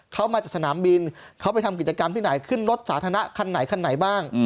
เขามาจากสนามบินเขาไปทำกิจกรรมที่ไหนขึ้นรถสาธารณะคันไหนคันไหนบ้าง